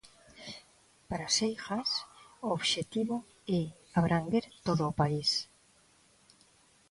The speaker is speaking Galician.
Para Seijas o obxectivo é abranguer todo o país.